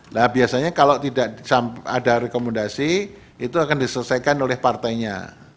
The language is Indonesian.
nah biasanya kalau tidak ada rekomendasi itu akan diselesaikan oleh partainya